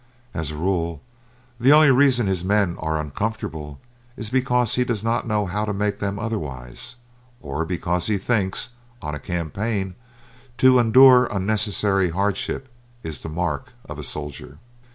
As a rule, the only reason his men are uncomfortable is because he does not know how to make them otherwise; or because he thinks, on a campaign, to endure unnecessary hardship is the mark of a soldier.